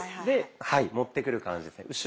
ではい持ってくる感じですね。